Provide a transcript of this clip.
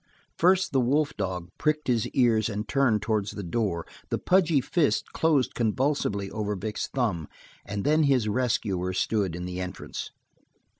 First the wolf dog pricked his ears and turned towards the door, the pudgy fist closed convulsively over Vic's thumb, and then his rescuer stood in the entrance.